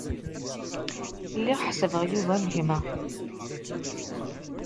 Lliɣ ḥesbeɣ Yuba am gma.